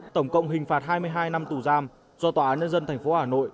tổng cộng hình phạt hai mươi hai năm tù giam do tòa án nhân dân tp hà nội